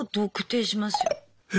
え！